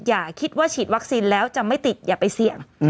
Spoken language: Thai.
อย่าคิดว่าฉีดวัคซีนแล้วจะไม่ติดอย่าไปเสี่ยง